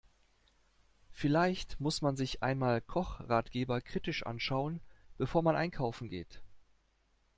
Vielleicht muss man sich einmal Kochratgeber kritisch anschauen, bevor man einkaufen geht.